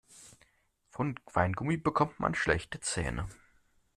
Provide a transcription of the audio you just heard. Von Weingummi bekommt man schlechte Zähne.